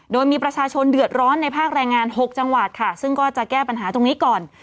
โดยมีประชาชนเดือดร้อนในภาคแรงงาน๖จังหวัดค่ะซึ่งก็จะแก้ปัญหาตรงนี้ก่อน